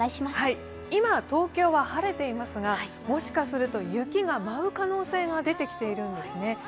今、東京は晴れていますが、もしかすると雪が舞う可能性が出てきているんですね。